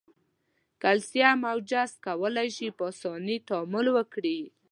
کلسیم او جست کولای شي په آساني تعامل وکړي.